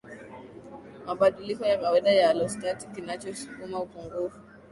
mabadiliko ya kawaida ya alostati Kinachosukuma upungufu